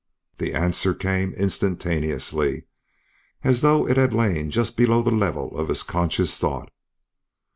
The answer came instantaneously as though it had lain just below the level of his conscious thought.